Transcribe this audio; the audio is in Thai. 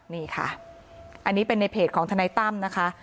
นี่ค่ะอันนี้เป็นในเพจของทนายตั้มนะคะ